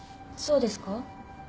そうですか？